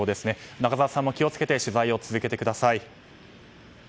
中澤さんも気を付けて取材を続けてください。